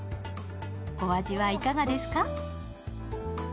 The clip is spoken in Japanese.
お味はいかがですか？